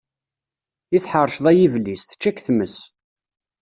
I tḥeṛceḍ ay iblis, tečča k-tmes.